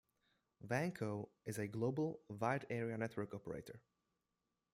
Vanco is a global Wide Area Network Operator.